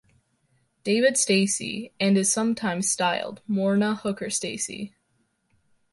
David Stacey, and is sometimes styled Morna Hooker-Stacey.